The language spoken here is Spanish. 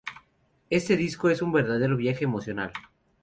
Este disco es un verdadero viaje emocional".